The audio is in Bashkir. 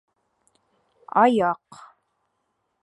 Аяҡ